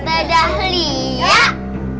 terima kasih banyak